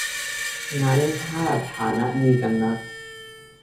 งั้นถ้าฐานะดีกันนัก